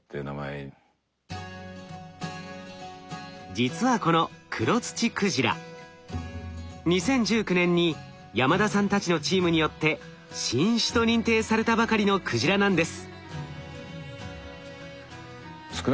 実はこのクロツチクジラ２０１９年に山田さんたちのチームによって新種と認定されたばかりのクジラなんです。